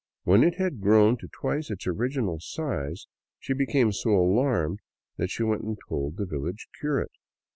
When it had grown to twice its original size, she became so alarmed that she went and told the village curate.